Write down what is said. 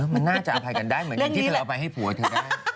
มันน่าจะอภัยกันได้เหมือนอย่างที่เธอเอาไปให้ผัวเธอได้